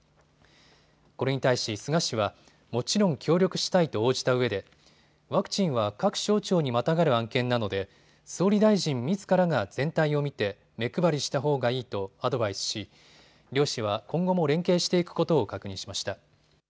これに対し菅氏はもちろん協力したいと応じたうえでワクチンは各省庁にまたがる案件なので総理大臣みずからが全体を見て目配りしたほうがいいとアドバイスし両氏は今後も連携していくことを確認しました。